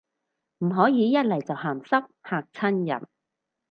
唔可以一嚟就鹹濕，嚇親人